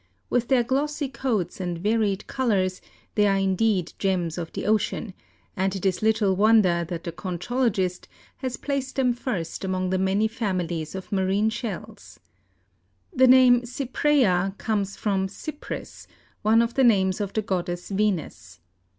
With their glossy coats and varied colors they are indeed gems of the ocean, and it is little wonder that the conchologist has placed them first among the many families of marine shells. The name Cypraea comes from Cypris, one of the names of the goddess Venus.